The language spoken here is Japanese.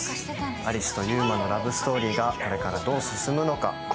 有栖と祐馬のラブストーリーが、これからどう進むのか。